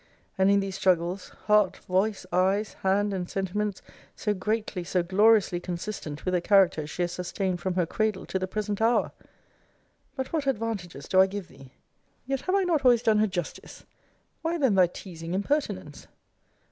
And in these struggles, heart, voice, eyes, hand, and sentiments, so greatly, so gloriously consistent with the character she has sustained from her cradle to the present hour? But what advantages do I give thee? Yet have I not always done her justice? Why then thy teasing impertinence?